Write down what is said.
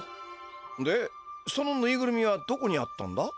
でそのヌイグルミはどこにあったんだ？